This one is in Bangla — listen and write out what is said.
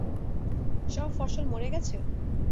সব ফসল মরে গেছে?